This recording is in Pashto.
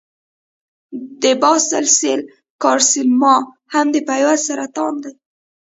د باسل سیل کارسینوما هم د پوست سرطان دی.